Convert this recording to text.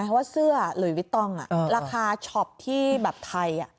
เพราะว่าเสื้อหรือวิตองอ่ะราคาช็อปที่แบบไทยอ่ะ